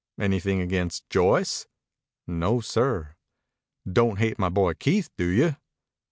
"Anything against Joyce?" "No, sir." "Don't hate my boy Keith, do you?"